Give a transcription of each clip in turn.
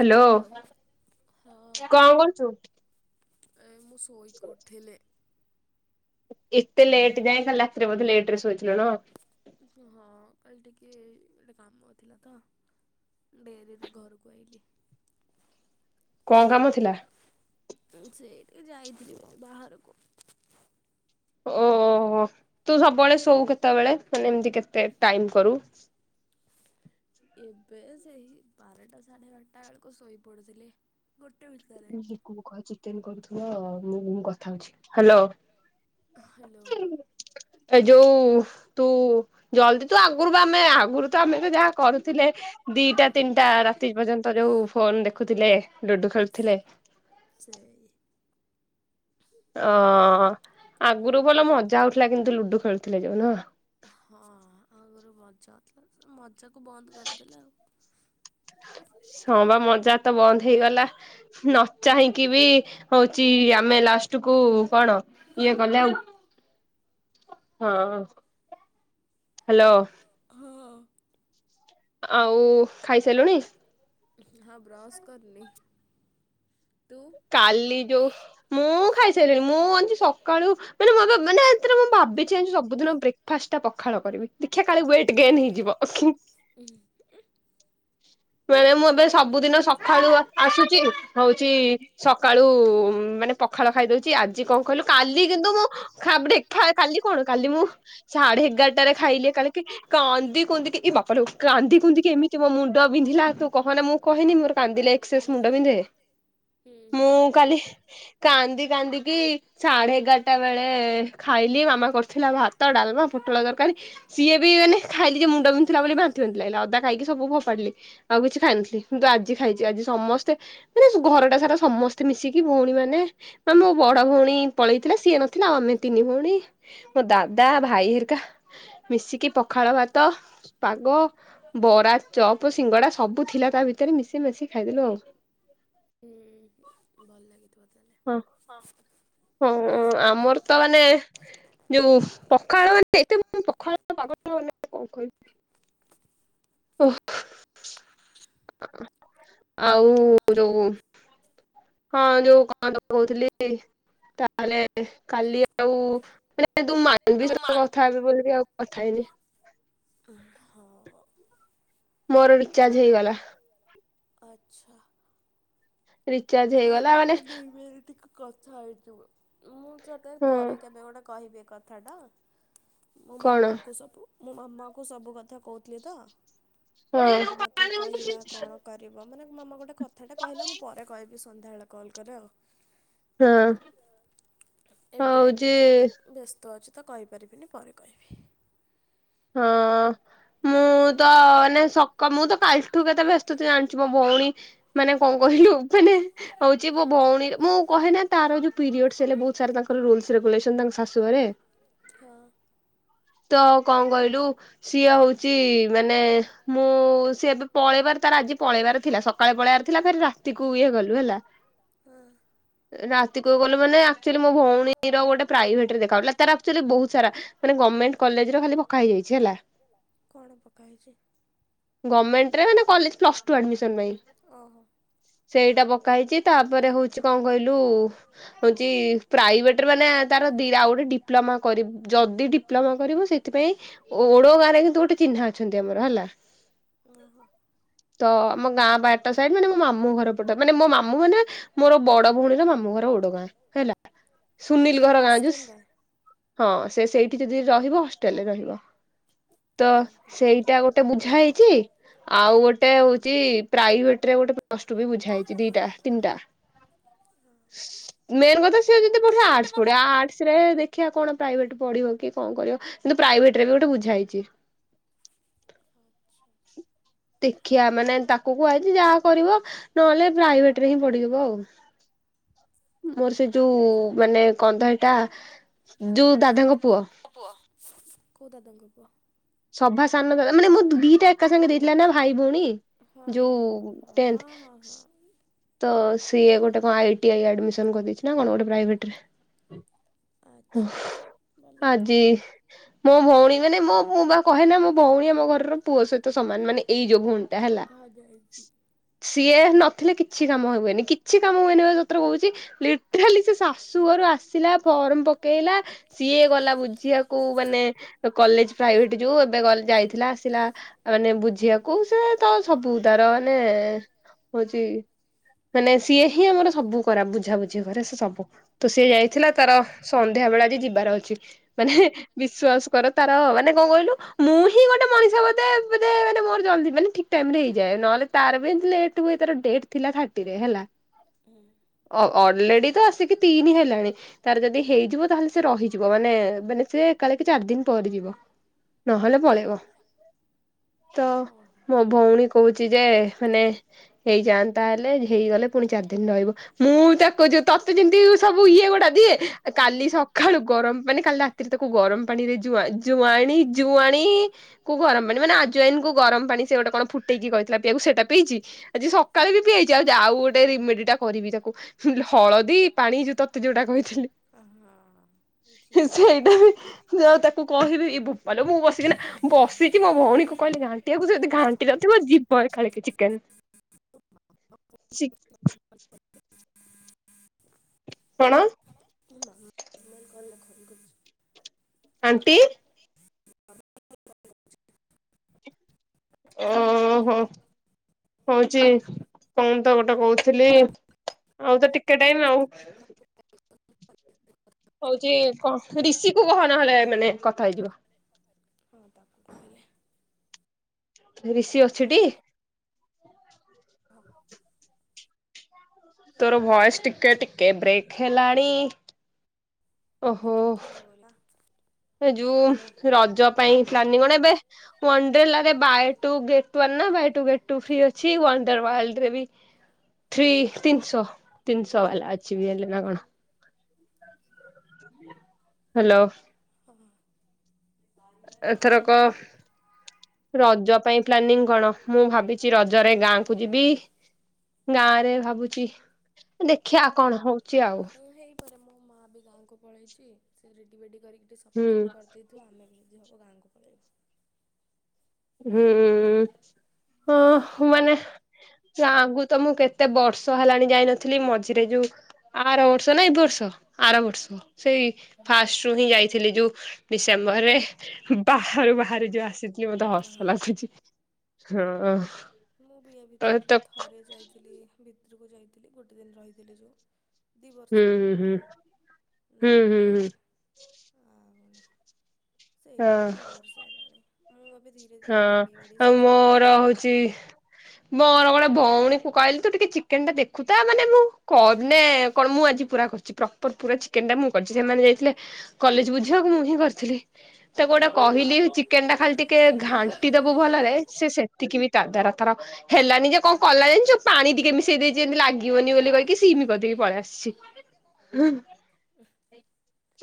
Hello କଣ କରୁଚୁ? ମୁଁ ଶୋଇକି ଉଠିଲି। ଏତେ ଲେଟ୍ ଯାଇଏଁ ଖାଲି ରାତିରେ ବୋଧେ ଲେଟ ରେ ଶୋଇଥିଲୁ ନା। ହଁ କାଲି ଟିକେ ଗୋଟେ କାମଥିଲା ତ ଡେରିରେ ଘରକୁ ଆଇଲି। କଣ କାମ ଥିଲା। ଏଇ ଯାଇଥିଲି ବାହାରକୁ। ଓୋ ତୁ ସବୁବେଳେ ଶୋ କେତେବେଳେ ମାନେ ଏମତି କେତେ ଟାଇମ୍ କରୁ। ଏବେ ସେଇ ବାରଟା ସାଢ଼େ ଘାରଟା ବେଳକୁ ଶୋଇପଡ଼ୁଥିଲି। ଆରେ ଚିକୁ କୁ କହ ଚିକେନ୍ କରୁଥି ହଁ ମୁଁ କଥା ହଉଛି ହ୍ୟାଲୋ। ହ୍ୟାଲୋ। ଏ ଯୋଉ ତୁ ଜଲଦି ତୁ ଆଗରୁ ଆମେ ଆଗରୁ ତ ଆମେ ବି ଯାହା କରୁଥିଲେ ଦିଟା ତିନିଟା ରାତି ପର୍ଯ୍ୟନ୍ତ ଯୋଉ ଫୋନ ଦେଖୁଥିଲେ ଲୁଡୁ ଖେଳୁ ଥିଲେ। ସେଇ ଅ ଆଗରୁ ଭଲ ମଜା ହଉଥିଲା କିନ୍ତୁ ଲୁଡୁ ଖେଳୁଥିଲେ ଯୋଉ ନୁହଁ। ହଁ ଆଗରୁ ମଜା [unintelligible] ମଜାକୁ ବନ୍ଦ କରିଦେଲେ ଆଉ। ସବା ମଜା ତ ବନ୍ଦ ହେଇଗଲା ନ ଚାହିଁକି ବି ହଉଛି ଆମେ ଲାଷ୍ଟ କୁ କଣ ଇଏ କଲେ ଆଉ ହଁ ହଲୋ। ଆଉ ଖାଇସାରିଲୁଣି? ହଁ ବ୍ରସ୍ କରିନି। କାଲି ଯୋଉ ମୁଁ ଖାଇସାରିଲିଣି ମୁଁ ଆଛି ସକାଳୁ ମାନେ ମାନେ ଏରେ ମୁଁ ଭାବିଛି ସବୁଦିନ ବ୍ରେକ୍ଫାଷ୍ଟ ଟା ପଖାଳ କରିବି। ଦେଖିଆ କାଳେ ୱଟ ଗେନ୍ ହେଇଯିବ। ବେଳେ ମୁଁ ଏବେ ସବୁଦିନ ସଖାଳୁ ଆସୁଛି ହଉଛି ସକାଳୁ ମାନେ ପଖାଳ ଖାଇଦଉଛି ଆଜି କଣ କହିଲୁ କାଲି କିନ୍ତୁ ମୁଁ କାଲି କଣ କାଲି ମୁଁ ସାଢେ ଏଗାର ଟାରେ ଖାଇଲେ କାଲି କି କାନ୍ଦି କୁନ୍ଦିକି ଏ ବାପା ଲୋ କାନ୍ଦି କୁନ୍ଦିକି ଏମିତି ମୋ ମୁଣ୍ଡ ବିନ୍ଧିଲା ତୁ କହନା ମୁଁ କହିନି ମୋର କାନ୍ଦିଲେ ଏକ୍ସେସ ମୁଣ୍ଡ ବିନ୍ଧେ। ମୁଁ କାଲି କାନ୍ଦି କାନ୍ଦିକି ସାଢେ ଏଗାରଟା ବେଳେ ଖାଇଲି ମାମା କରିଥିଲା ଭାତ, ଡାଲମା, ପୋଟଳ ତରକାରୀ। ସିଏ ବି ମାନେ ଖାଇଲି ଯେ ମୁଣ୍ଡ ବିନ୍ଧୁଥିଲା ବୋଲି ବାନ୍ତି ବାନ୍ତି ଲାଗିଲା। ଅଦା ଖାଇକି ସବୁ ଫୋପାଡିଲି ଆଉ କିଛି ଖାଇନଥିଲି କିନ୍ତୁ ଆଜି ଖାଇଛି ଆଜି ସମସ୍ତେ ମାନେ ଘରଟା ସାରା ସମସ୍ତେ ମିଶିକି ଭଉଣୀ ମାନେ ମା ମୋ ବଡ ଭଉଣୀ ପଳେଇଥିଲା ସିଏ ନଥିଲା ଆଉ ଆମେ ତିନି ଭଉଣୀ ମୋ ଦାଦା ଭାଇ ହେରିକା ମିଶିକି ପଖାଳ ଭାତ, ପାଗ, ବରା, ଚପ, ସିଙ୍ଗଡା ସବୁ ଥିଲା ତା ଭିତରେ ମିଶି ମିଶିକି ଖାଇଦେଲୁ ଆଉ। ହୁଁ। ହଁ ହଁ ଆମର ତ ମାନେ ଯୋଉ ପଖାଳ ମାନେ ଏତେ ପଖାଳ ବାଗ ଲାଗୁନି [unintelligible] ଓ ଆଉ ଯୋଉ ହଁ ଯୋଉ କଣ ଗୋଟେ କହୁଥିଲି ତାହେଲେ କାଲି ଆଉ ମାନେ ଆରେ ତୁ ମାନିବି ସହିତ କଥା ହେବି ବୋଲି କି ଆଉ କଥାହେଲିି। [unintelligible] ମୋର ରିଚାର୍ଜ ହେଇଗଲା। ଆଚ୍ଛା। ରିଚାର୍ଜ ହେଇଗଲା ମାନେ କଥା ହେଇଚି ମୁଁ ଫିଉଚର୍ରେ ପରେ କେବେ ଗୋଟେ କହିବେ କଥା ଟା ମୋ ମାମାକୁ ସବୁ ମୋ ମାମାକୁ ସବୁ କଥା କହୁଥିଲି ତ ମାମା ମତେ କହିଲା କଣ କରିବ। ମାନେ ମାମା ଗୋଟେ କଥାଟା କହିଲା ମୁଁ ପରେ କହିବି ସନ୍ଧ୍ୟାବେଳେ କଲ୍ କରେ ଆଉ। ହଁ। ଏବେ ଟିକେ ବ୍ୟସ୍ତ ସ୍ତ ଅଛି ତ କହିପାରିବିନି ପରେ କହିବି। ହଁ ମୁଁ ତ ମାନେ ସକା ମୁଁ ତ କାଲିଠୁ କେତେ ବ୍ୟସ୍ତ ତୁ ଜାଣିଛୁ ମୋ ଭଉଣୀ ମାନେ କଣ କହିଲୁ ମାନେ ହଉଛି ମୋ ଭଉଣୀ ମୁଁ କହେନା ତାର ଯୋଉ ପିରିୟଡସ ବହୁତ ସାରା ତାଙ୍କର ରୁଲସ ରେଗୁଲେସନ ତାଙ୍କ ଶାଶୂଘରେ। ହଁ। ତ କଣ କହିଲୁ ସିଏ ହଉ ଚି ମାନେ ମୁଁ ସେ ଏବେ ପଳେଇବାର ତାର ଆଜି ପଳେଇବାର ଥିଲା ସକାଳେ ପଳେଇବାର ଥିଲା ଫେରେ ରାତିକୁ ଇଏ କଲୁ ହେଲା ରା ତି କୁ ଗଲୁ ମାନେ ଆକଚୁଆଲି ମୋ ଭଉଣୀର ଗୋଟେ ପ୍ରାଇଭେଟରେ ଦେଖା ହଉଥିଲା ତାର ଆକଚୁଆଲି ବହୁତ ସାରା ମାନେ ଗମେଣ୍ଟ କଲେଜର ଖାଲି କଣ ପକାହେଇଛି? ସେଥିରେ ମାନେ କଲେଜ ପ୍ଲସ ଟୁ ଆଡମିସନ୍ ପାଇଁ ସେଇଟା ପକାହେଇଛି ତାପରେ ହଉଛି କଣ କହିଲୁ ହଉଛି ପ୍ରାଇଭେଟ୍ ରେ ମାନେ ତାର ଆଉ ଗୋଟେ ଡିପ୍ଲୋମା କରି ଯଦି ଡିପ୍ଲୋମା କରିବ ସେଥି ସେଥିପାଇଁ ଓଡଗାଁ ରେ କିନ୍ତୁ ଗୋଟେ ଚିହ୍ନା ଅଛନ୍ତି ଆମର ହେଲା। ତ ଆମ ଗାଁ ବାଟ ସାଇଟି ମାନେ ମୋ ମାମୁଁ ଘର ପଟ ମାନେ ମୋ ମାମୁଁ ମାନେ ମୋର ବଡ ଭଉଣୀର ମାମୁଁ ଘର ଓଡଗାଁ ହେଲା ସୁନୀଲ ଘର ଗାଁ ଯୋଉ ହଁ ସେ ସେଇ କିଛି ଦିନି ରହିବ। ଷ୍ଟେଲରେ ରହିବ ତ ସେଇଟା ଗୋଟେ ବୁଝା ହେଇଚି ଆଉ ଗୋଟେ ହୋଉଚି ପ୍ରାଇଭେଟ ରେ ଗୋଟେ ପ୍ଲସ ଟୁ ବି ବୁଝା ହେଇଚି ଦିଟା ତିନିଟା। ମେନ୍ କଥା ସିଏ ଯଦି ପଢିବ ଆର୍ଷ ପଢ ଆର୍ଷରେ ଦେଖିଆ କଣ ପ୍ରାଇଭେଟ ପଢିବ କି କଣ କରିବ। କିନ୍ତୁ ପ୍ରାଇଭେଟ୍ ରେ ବି ଗୋଟେ ବୁଝା ହେଇଚି। [inaudible] ଦେଖିିଆ ମାନେ ତାକୁ କୁହାଯାଇଚି ଯାହା କରିବ ନହେଲେ ପ୍ରାଇଭେଟ୍ ରେ ହିଁ ପଡିବ ଆଉ ମୋର ସେ ଯୋଉ ମାନେ କଣ ତ ହେଟା ଯୋଉ ଦାଦାଙ୍କ କୋଉ ଦାଦାଙ୍କ ପୁଅ? ସଭା ସାନ ଜଣେ ମାନେ ମୋ ଦିଟା ଏକା ସାଙ୍ଗେ ଦେଇଥିଲା ନା ଭାଇ ଭଉଣୀ ଯୋଉ ଟେନ୍ଥ। ତ ସିଏ ଗୋଟେ କଣ ଆଇଟିଆଇ ଆଡମିସନ୍ କରିଦେଇଚି ନା କଣ ଗୋଟେ ପ୍ରାଇଭେଟରେ। ହୁ ଆଜି ମୋ ଭଉଣୀ ମାନେ ମୋ ମୁଁ ବା କହେ ନା ମୋ ଭଉଣୀ ଆମ ଘରର ପୁଅ ସହିତ ସମାନ ମାନେ ଏଇ ଯୋଉ ଭଉଣୀ ଟା ହେଲା ସିଏ ନଥିଲେ କିଛି କାମ ହୁଏନି କିଛି କାମ ହୁଏନି ପା ସତରେ କୋହୁଚି। ଲିଟରାଲି ସେ ଶାଶୁ ଘରୁ ଆସିଲା ଫର୍ମ ପକେଇଲା ସିଏ ଗଲା ବୁଝିବାକୁ ମାନେ କଲେଜ ପ୍ରାଇଭେଟ ଯୋଉ ଏବେ ଯାଇଥିଲା ଆସିଲା ମାନେ ବୁଝିବାକୁ ସେ ତ ସବୁ ତାର ମାନେ ହୋଉଚି। ମାନେ ସିଏ ହିଁ ଆମର ସବୁ କର ବୁଝା ବୁଝି କରେ ସେ ସବୁ ତ ସିଏ ଯାଇଥିଲା ତାର ସନ୍ଧ୍ୟା ବେଳେ ଆଜି ଯିବାର ଅଛି ମାନେ ବିଶ୍ଵାସ କର ତାର ମାନେ କଣ କହିଲୁ ମୁଁ ହିଁ ଗୋଟେ ମଣିଷ ବୋଧେ ବୋଧେ ମାନେ ମୋର ଜଲଦି ମାନେ ଠିକ ଟାଇମ ରେ ହେଇଯାଏ ନୋହେଲେ ତାର ବି ହେମିତି ଲେଟ ହୁଏ ତାର ଡେଟ ଥାର୍ଟି ରେ ହେଲା। ଅ ଅଲରେଡି ତ ଆସିକି ତିନି ହେଲାଣି ତାର ଯଦି ହେଇଯିବ ତାହେଲେ ସେ ରହିଯିବ ମାନେ ମାନେ ସେ ଏକାବେଳେ କି ଚାରି ଦିନ ପରେ ଯିବ ନହେଲେ ପଳେଇବ ତ ମୋ ଭଉଣୀ କୋହୁଚି ଯେ ମାନେ ହେଇଯା ହେଲେ ହେଇଗଲେ। ପୁଣି ଚାରି ଦିନ ରହିବ ମୁଁ ତାକୁ ଯୋଉ ତତେ ଯେମିତି ସବୁ ଇଏ ଗୋଟା ଦିଏ କାଲି ସକାଳୁ ଗରମ ପାଣି ମାନେ କାଲି ରାତିରେ ତାକୁ ଗରମ ପାଣିରେଆ ଜୁଆଣି ଜୁଆଣି କୁ ଗରମ ପାଣି ମାନେ ଆଜୋଇନ କୁ ଗରମ ପାଣି ସେ ଗୋଟେ କଣ ଫୁଟେଇକି କହିଥିଲା ପିଇବାକୁ ସେଇଟା ପିଇଚି ଆଜି ସକା [unintelligible] ହେଇଯାଉଛିଚି ଆଉ ଗୋଟେ ଦିଟା କରିବି ତାକୁ ହଳଦୀ ପାଣି ଯୋଉ ତତେ ଯୋଉଟା କହିଥିଲି ସେଇଟା ବି ଯୋଉ ତାକୁ କହିବି ବୋପାଲ ମୁଁ ବସକି ନା ବସିଚି ମୋ ଭଉଣୀକୁ କହିଲି ଘାଣ୍ଟିିବାକୁ ସେ ଘାଣ୍ଟି ନଥିବ ଯିବ ଏକାବୋଳେକେ ଚିକେନ ଚିକ୍ କଣ? ମୋ ମାମୁଁ କଣ କଲ କରୁଚନ୍ତି। ଆଣ୍ଟି। ଓହୋ ହୋଉଚି କଣ ତ ଗୋଟେ କହୁଥିଲି ଆଉ ତ ଟିକେ ଟାଇମ ଆଉ ହୋଉଚି କଣ ରିଶି କୁ କହ ନହେଲେ କଥା ହେଇଯିବା। ହଁ ତାପରେ ବ। ପା ଆସିଲେ। [inaudible] ରିଷି ଅଛିଟି? [unintelligible] ତୋର ଭଏସ ଟିକେ ଟିକେ ବ୍ରେକ୍ ହେଲାଣି। ମୁଠି ନି ବୋଲା ଏ ଯୋଉ ରଜ ପାଇଁ ହେଇଥିଲାନି କଣ ଏବେ ମୁଁ ଏଣ୍ଡ୍ରୋଲା ରେ ବାଏ ଟୁ ଗେଟ୍ ୱାନ ନା buy two two get two free ଅଛି ୱାନ ଟା ୱର୍ଲ୍ଡରେ ବି ଥ୍ରି ତିନିଶହ ତିଂସହ ୱାଲା ଅଛି ବି ୟେଲ ନା କଣ [inaudible] ହ୍ୟାଲୋ। ହଁ। ଏଥରକ ରଜ ପାଇଁ ପ୍ଲାନିଂ କଣ ମୁଁ ଭାବିଛି ରଜରେ ଗାଁ କୁ ଯିବି ଗାଁ ରେ ଭାବୁଛି ଦେଖିବା କଣ ହଉଛି ଆଉ ପରେରେ ମୋ ମାଆ ବି ଗାଁକୁ ପଳେଇଛି ସେ ରେଟି ବେଟି କରିକି ସଫାସଫି କରିଦେଇଥୁ ଆମେ ବି ଯଦି ହେବ ଗାଁକୁ ପଳେଇବୁ। [inaudible] ହୁଁ ହଁ ମାନେ ଆଗୁ ତ ମୁଁ କେତେ ବର୍ଷ ହେଲାଣି ଯାଇନଥିଲି ମଝିରେ ଯୋଉ ଆର ବର୍ଷ ନା ଏ ବର୍ଷ ଆର ବର୍ଷ ସେଇ ଫାଷ୍ଟ ରୁ ହିଁ ଯାଇଥିଲି ଯୋଉ ଡିସେମ୍ବର ରେ ବାହାରୁ ବାହାରୁ ଯୋଉ ଆସିଥିଲି ମତେ ହସ ହଁ। ମୁଁ ବି ୟା ଭିତରେ ଥରେ ଯାଇଥିଲି ଭିତରକୁ ଯାଇଥିଲି ଗୋଟେ ଦିନ ରହିଥିଲି ଯୋଉ ଦୁଇ ବର୍ଷ ହେଇଗଲାଣି ନହେଲେ ଆଉ ନାହିଁ। ସେଇଟା ବି ଦି ବର୍ଷ ହେଲାଣି। ହଁ ଆଉ ମୋର ହଉଛି ମୋର ଗୋଟେ ଭଉଣୀ କୁ କହିଲି ତୁ ଟିକେ ଚିକେନ ଟା ଦେଖୁଥା ମାନେ ମୁଁ କନେ କଣ ମୁଁ ଆଜି ପୁରା କରିଛି ପ୍ରପର ପୁରା ଚିକେନ ଟା ମୁ କରିଛି ସେମାନେ ଯାଇଥିଲେ କଲେଜ ବୁଝିବାକୁ ମୁଁ ହିଁ କରିଥିଲି। ସେ ଗୋଟେ କହିଲି ଚିକେନ ଟା ଖାଲି ଟିକେ ଘାଣ୍ଟି ଦବୁ ଭଲରେ ସେ ସେତିକି ବି ତା ଦ୍ୱାର ଥର ହେଲାନି ଯେ କଣ କଲା ଯେ ଯୋଉ ପାଣି ଟିକେ ମିଶେଇ ଦେଇଚି ଯେମିତି ଲାଗିବନି ବୋଲି କହିିକି ସିମ କରିଦେଇକି ପଳେଇ ଆସିଛି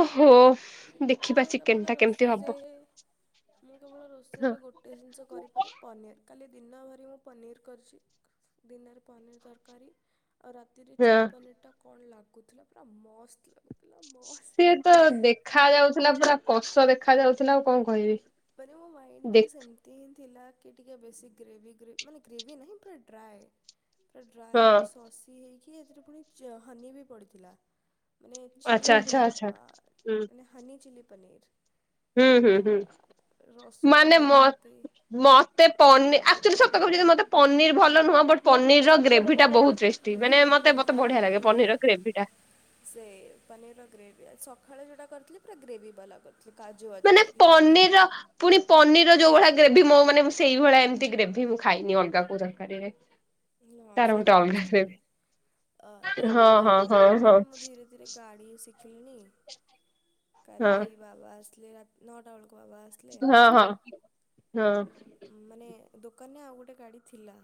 ଓହୋ। ଦେଖିବା ଚିକେନ ଟା କେମିତି ହବ। [inaudible] ଷେଇରେ ଗୋଟେ ଜିନିଷ କରିପାରେ ପନିର୍। କାଲି ଦିନ ଭରି ମୁଁ ପନିର କରିଛି ଦିନରେ ପନିର୍ ତରକାରୀ ଆଉ ରାତିରେ ଚିଲି ପନିର ଟା କଣ ଲାଗ ଗୁଥିଲା ପୁରା ମସ୍ତ ଲାଗୁ ସିଏ ତ ଦେଖା ଯାଉ ଥିଲା ପୁରା କଷ ଦେଖାଯାଉଥିଲା ଆଉ କଣ କହିବି। ମାନେ ମୋ ମାଇଣ୍ଡରେ ସେମତି ଥିଲା କି ଟିକେ ବେଶୀ ଗ୍ରେଭି ଗ୍ରେ ମାନେ ଗ୍ରେଭି ନାହିଁ ପୁରା ଡ୍ରାଏ ପୁର ଡ୍ରାଏ ରେ ସସିି ହେଇକି କି ଏଥିରେ ପୁଣି ଚ ହନି ବି ପଡିଥିଲା। ମାନେ ଚିଲି ହନି ମାନେ ହନି ଚିଲି। ପନିର। [inaudible] ହୁଁ ହୁଁ ହୁଁ। ମାନେ ମ ମତେ ପନି ଆଚୁଲି ସବ୍ ସତ କହୁଚି ମତେ ପନିର ଭଲ ନୁହଁ ବଟ୍ ପନିର ର ଗ୍ରେଭି ଟା ବହୁତ ଟେ ମାନେ ମତେ ମତେ ବଢିଆ ଲାଗେ ପନିର ଗ୍ରେଭି ଟା। ସଖାଳେ ଯଉଟା କରିଥିଲି ପୁରା ଗ୍ରେଭି ବାଲା ମାନେ ପନିରର ପୁଣି ପନିର ଯୋଉ ଭଳିଆ ଗ୍ରେଭି ମୋ ମାନେ ସେଇଭଳିଆ ଏମିତି ଗ୍ରେଭି ମୁଁ ଖାଇନି ଅଲଗା କୁ ତରକାରୀରେ। ହଁ ସେଇଟା ମସ୍ତ ଲାଗେ ଅ ତାପରେ ଏବେ ମୁଁ ଧୀରେ ଧୀରେ। ଗାଡ଼ି କାଲି ବାବା ଅସି ସନ୍ଧ୍ୟା [inaudible] ନଅଟା ବେଳକୁ [unintelligible] ଆସିଲେ ମାନେ ଇଏ ଦୋକାନରେ ଆଉ ଗୋଟେ ଗାଡି ଥିଲା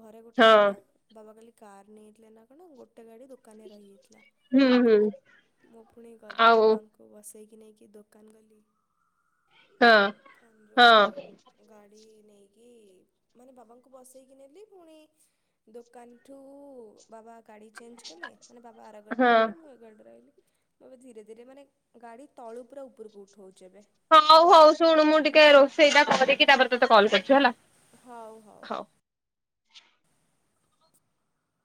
ଘରେ ଗୋଟେ ଥିଲା ବାବା କାହିଲେ କାର ନେଇଥିଲେ ନା କଣ ଗୋଟେ ଗାଡି ଦୋକାନରେ ରହିଯାଇଥିଲେ। ମୁଁ ପୁଣି ଗଲି ବାବାଙ୍କୁ ବସେଇକି କି ନେଇକି ଦୋକାନ ଗଲି। ଦୋକାନ ଗାଡି [inaudible] ନେଇକି ମାନେ ବାବାଙ୍କୁ ବସେଇକି ନେବି ପୁଣି ଦୋକାନଠୁ ବାବା ଗାଡ଼ି ଚେଞ୍ଜ କଲେ ମାନେ ବାବା ଆରଗାଡ଼ିରେ ଆଇଲେ ମୁଁ ଏଗାଡ଼ିରେ ଆଇଲି। ଏବେ ଧୀରେ ଧୀରେ ମାନେ ଗାଡି ତଳୁ ପୁରା ଉପରକୁ ଉଠଉ ହଉ ହଉ ଶୁଣୁ ମୁଁ ଟିକେ ଟିକେ ରୋଷେଇ ଟା କରିକି ତା ପରେ ତତେ କଲ୍ କରୁ ଛି ହେଲା। ହଉ ହଉ।